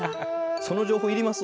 その情報要ります？